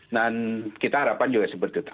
dan kita harapkan juga seperti itu